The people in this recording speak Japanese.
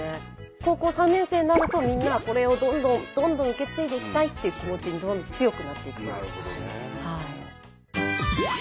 高校３年生になるとみんなこれをどんどんどんどん受け継いでいきたいっていう気持ちに強くなっていくそうです。